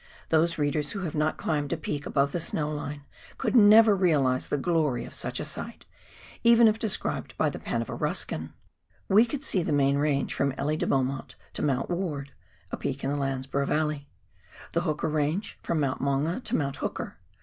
Those readers who have not climbed a peak above the snow line could never realise the glory of such a sight, even if described by the pen of a Ruskin. We could see the main range from Elie de Beaumont to Mount Ward — a peak in the Landsborough Valley ; the Hooker Range from Mount Maunga to Mount Hooker.